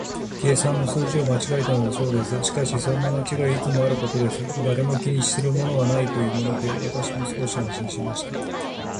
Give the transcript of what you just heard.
計算の数字を間違えたのだそうです。しかし、そんな間違いはいつもあることで、誰も気にするものはないというので、私も少し安心しました。